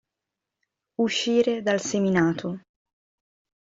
Uscire dal seminato.